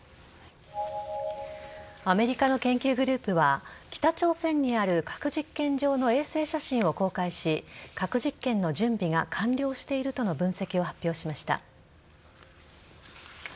アメリカの研究グループは北朝鮮にある核実験場の衛星写真を公開し核実験の準備が完了しているとの分析を発表しました。